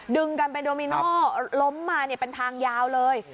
ดึงกันเป็นโดมิโน่ล้มมาเป็นทางยาวเลย